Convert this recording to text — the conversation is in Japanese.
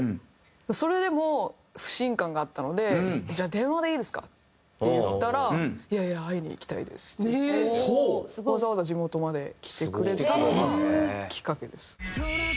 それでも不信感があったので「じゃあ電話でいいですか？」って言ったら「いやいや会いに行きたいです」って言ってわざわざ地元まで来てくれたのがきっかけです。